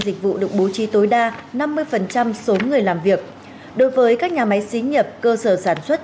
dịch vụ được bố trí tối đa năm mươi số người làm việc đối với các nhà máy xí nghiệp cơ sở sản xuất